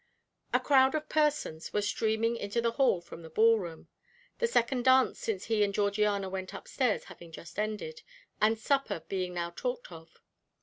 A crowd of persons were streaming into the hall from the ball room, the second dance since he and Georgiana went upstairs having just ended, and supper being now talked of.